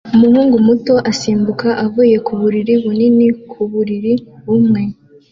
Umuhungu muto asimbuka avuye ku buriri bunini ku buriri bumwe